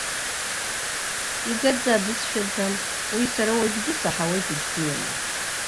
Игаӡа бызшәаӡам, уи сара уажәгьы исаҳауеит ибзианы.